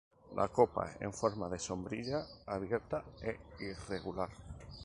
La copa en forma de sombrilla, abierta e irregular.